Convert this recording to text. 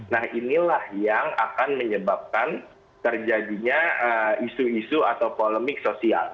nah inilah yang akan menyebabkan terjadinya isu isu atau polemik sosial